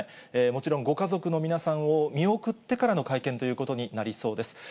もちろん、ご家族の皆さんを見送ってからの会見ということになりそうです。